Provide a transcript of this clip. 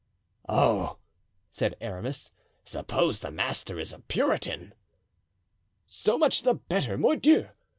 "Oh!" said Aramis, "suppose the master is a Puritan?" "So much the better, mordioux!"